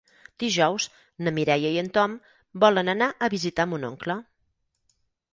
Dijous na Mireia i en Tom volen anar a visitar mon oncle.